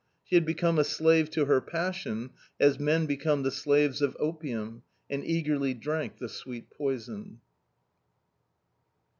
She had become a slave to her passion, as men become the slaves of opium, and eagerly drank the sweet poison.